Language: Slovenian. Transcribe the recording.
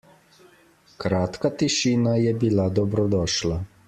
Kratka tišina je bila dobrodošla.